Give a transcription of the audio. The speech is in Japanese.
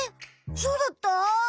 そうだった？